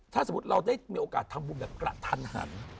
ถ้าสมมุติเราได้มีโอกาสทำบุญแบบกระทันหัน